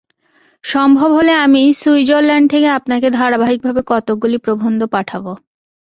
সম্ভব হলে আমি সুইজরলণ্ড থেকে আপনাকে ধারাবাহিকভাবে কতকগুলি প্রবন্ধ পাঠাব।